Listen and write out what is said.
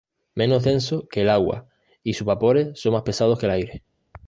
Menos denso que el agua y sus vapores son más pesados que el aire.